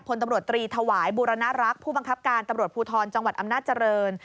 พลตำรวจตรีถวายบูรณรักษ์ผู้บังคับการตำรวจภูทรจังหวัดอำนาจริง